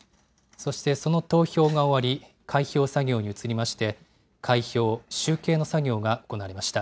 そして、その投票が終わり、開票作業に移りまして、開票・集計の作業が行われました。